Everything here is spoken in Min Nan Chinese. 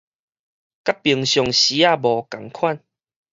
佮平常時仔無仝款